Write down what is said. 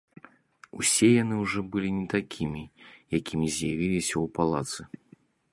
Усе яны ўжо былі не такімі, якімі з'явіліся ў палацы.